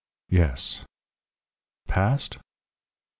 "Yes." "Past?"